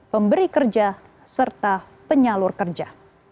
pemberi kerja serta penyalur kerja